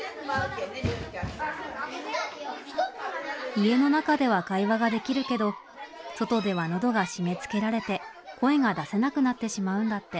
家の中では会話ができるけど外では喉が締めつけられて声が出せなくなってしまうんだって。